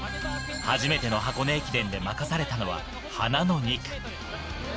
初めての箱根駅伝で任されたのは花の２区。